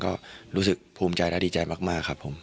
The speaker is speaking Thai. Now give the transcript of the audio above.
ก็รู้สึกภูมิใจและดีใจมากครับผม